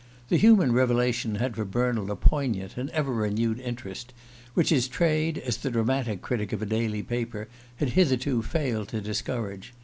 The human revelation had for Bernald a poignant and ever renewed interest, which his trade, as the dramatic critic of a daily paper, had hitherto failed to discourage.